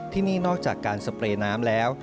ที่นี่นอกจากการสเปรย์น้ำแล้ว